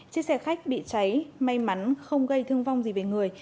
chiếc xe khách bị cháy may mắn không gây thương vong gì về người